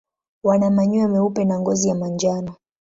Wana manyoya meupe na ngozi ya manjano.